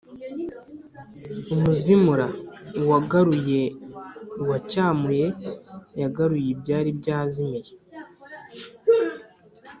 umuzimura: uwagaruye, uwacyamuye, yagaruye ibyari byazimiye